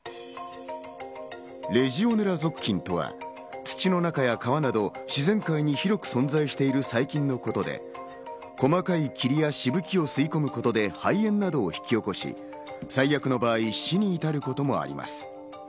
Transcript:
レジオネラ属菌とは土の中や川など、自然界に広く存在している細菌のことで、細かい霧や飛沫を吸い込むことで肺炎などを引き起こし、最悪の場合、死に至る場合もあります。